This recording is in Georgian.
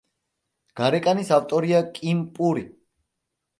გარეკანის ავტორია კიმ პური.